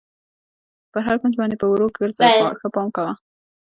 پر هر کونج باندې په ورو ګر وځه، ښه پام کوه.